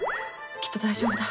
きっと大丈夫だ。